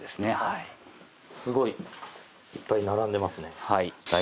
すごいいっぱい並んでますね。